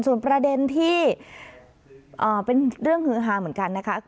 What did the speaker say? ส่วนประเด็นที่เป็นเรื่องฮือฮาเหมือนกันนะคะ